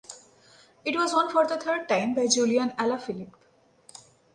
It was won for the third time by Julian Alaphilippe.